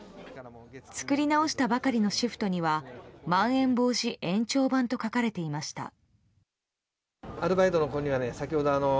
作り直したばかりのシフトにはまん延防止延長版と書かれていました。